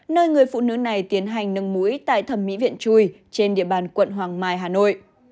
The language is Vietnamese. nơi người phụ nữ này tiến hành nâng mũi tại thẩm mỹ viện chui trên địa bàn quận hoàng mai hà nội